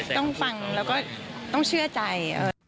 ต้องฟังแล้วก็ต้องเชื่อใจ